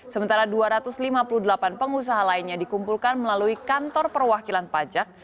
sementara dua ratus lima puluh delapan pengusaha lainnya dikumpulkan melalui kantor perwakilan pajak